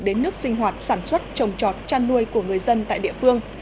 đến nước sinh hoạt sản xuất trồng trọt chăn nuôi của người dân tại địa phương